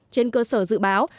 trên cơ sở dự báo